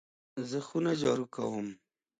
زه خونه جارو کوم .